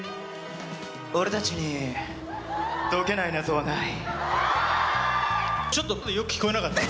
俺たちに解けない謎はない。